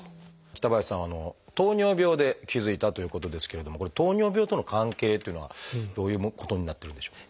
北林さんは糖尿病で気付いたということですけれどもこれ糖尿病との関係っていうのはどういうことになってるんでしょう？